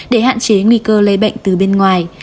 để hạn chế nguy cơ lây bệnh từ bên ngoài